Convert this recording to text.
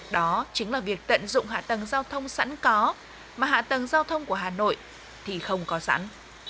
đó chính là việc tận dụng hạ tầng giao thông sẵn có mà hạ tầng giao thông của hà nội thì không có sẵn